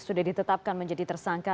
sudah ditetapkan menjadi tersangka